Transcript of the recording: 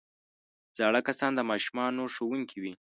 زاړه کسان د ماشومانو ښوونکي وي